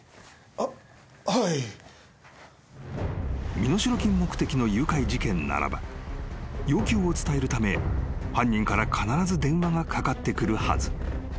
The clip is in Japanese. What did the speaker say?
［身代金目的の誘拐事件ならば要求を伝えるため犯人から必ず電話がかかってくるはず］